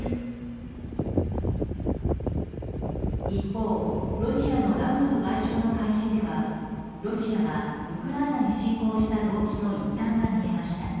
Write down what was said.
一方、ロシアのラブロフ外相の会見ではロシアがウクライナに侵攻した動機の一端が見えました。